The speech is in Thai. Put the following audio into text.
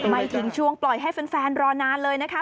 ไม่ถึงช่วงปล่อยให้แฟนรอนานเลยนะคะ